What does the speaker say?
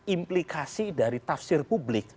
implikasi dari tafsir publik